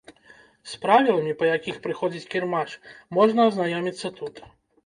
З правіламі, па якіх праходзіць кірмаш, можна азнаёміцца тут.